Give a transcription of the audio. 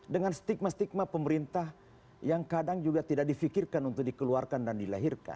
dengan stigma stigma pemerintah yang kadang juga tidak difikirkan untuk dikeluarkan dan dilahirkan